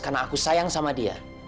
karena aku sayang sama dia